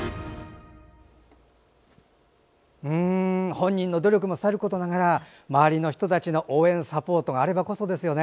本人の努力もさることながら周りの人たちの応援、サポートがあればこそですよね。